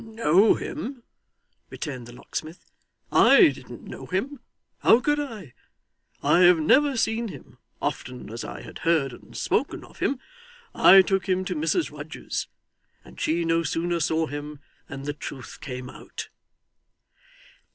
'Know him!' returned the locksmith. 'I didn't know him how could I? I had never seen him, often as I had heard and spoken of him. I took him to Mrs Rudge's; and she no sooner saw him than the truth came out.